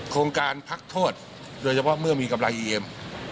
การพักโทษโดยเฉพาะเมื่อมีกำไรอีเอ็ม